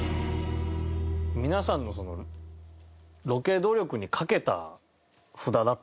皆さんのそのロケ努力に賭けた札だったので。